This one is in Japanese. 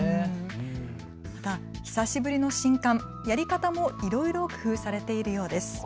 また久しぶりの新歓、やり方もいろいろ工夫されているようです。